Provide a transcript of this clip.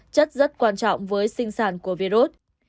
chất rất quan trọng với sinh sản của virus